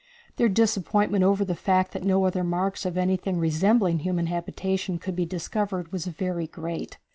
Their disappointment over the fact that no other marks of anything resembling human habitation could be discovered was very great.